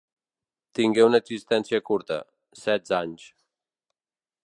Tingué una existència curta: setze anys.